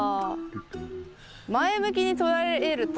前向きに捉えると。